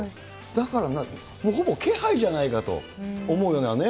だから、ほぼ気配じゃないかと思うようなね。